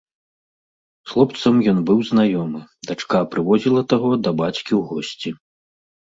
З хлопцам ён быў знаёмы, дачка прывозіла таго да бацькі ў госці.